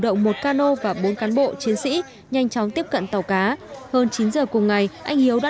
động một cano và bốn cán bộ chiến sĩ nhanh chóng tiếp cận tàu cá hơn chín giờ cùng ngày anh hiếu đã